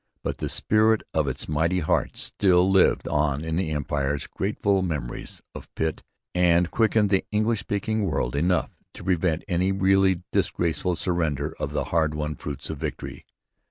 But the spirit of its mighty heart still lived on in the Empire's grateful memories of Pitt and quickened the English speaking world enough to prevent any really disgraceful surrender of the hard won fruits of victory.